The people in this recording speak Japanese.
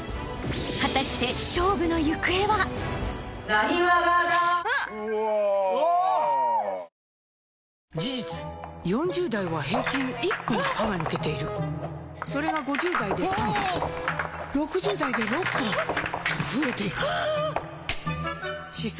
「難波潟」事実４０代は平均１本歯が抜けているそれが５０代で３本６０代で６本と増えていく歯槽